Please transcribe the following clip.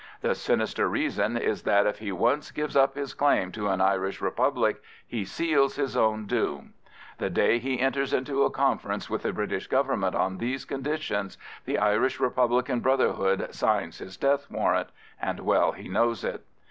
The sinister reason is that if he once gives up his claim to an Irish Republic he seals his own doom. The day he enters into a conference with the British Government on these conditions, the Irish Republican Brotherhood signs his death warrant, and well he knows it.